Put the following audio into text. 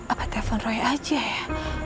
apa telepon roy aja ya